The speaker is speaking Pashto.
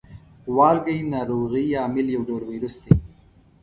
والګی ناروغۍ عامل یو ډول ویروس دی.